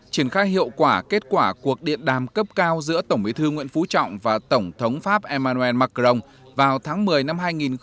triển khai hiệu quả kết quả cuộc điện đàm cấp cao giữa tổng bí thư nguyễn phú trọng và tổng thống pháp emmanuel macron vào tháng một mươi năm hai nghìn hai mươi